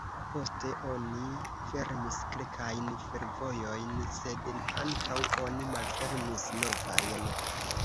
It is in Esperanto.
Poste oni fermis kelkajn fervojojn sed ankaŭ oni malfermis novajn.